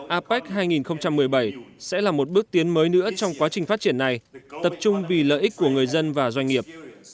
apec hai nghìn một mươi bảy sẽ là một bước tiến mới nữa trong quá trình phát triển này tập trung vì lợi ích của người dân và doanh nghiệp